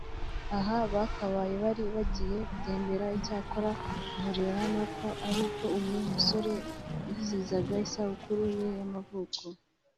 aha bakaba bari bagiye gutembera icyakora bihurirana n'uko ari bwo uyu musore yizihizaga isabukuru ye y’amavuko